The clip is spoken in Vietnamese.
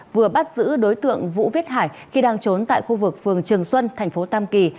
vừa bắt giữ đối tượng vũ viết hải khi đang trốn tại khu vực phường trường xuân thành phố tam kỳ